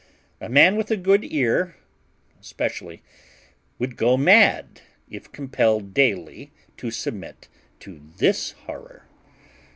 A man with a good ear, especially, would go mad, if compelled daily to submit to this horror.